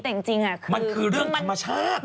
แต่จริงอ่ะ